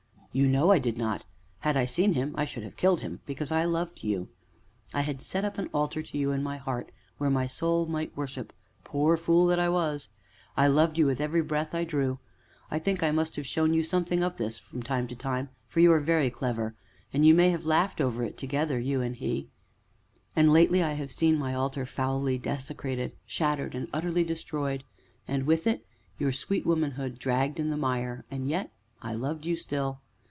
"You know I did not; had I seen him I should have killed him, because I loved you. I had set up an altar to you in my heart, where my soul might worship poor fool that I was! I loved you with every breath I drew. I think I must have shown you something of this, from time to time, for you are very clever, and you may have laughed over it together you and he. And lately I have seen my altar foully desecrated, shattered, and utterly destroyed, and, with it, your sweet womanhood dragged in the mire, and yet I loved you still.